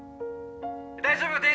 大丈夫。